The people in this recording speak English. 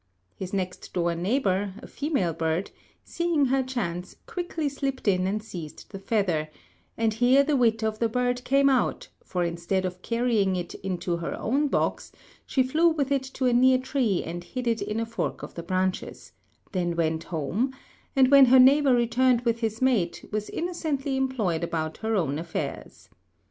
His next door neighbor, a female bird, seeing her chance, quickly slipped in and seized the feather, and here the wit of the bird came out, for instead of carrying it into her own box she flew with it to a near tree and hid it in a fork of the branches, then went home, and when her neighbor returned with his mate, was innocently employed about her own affairs.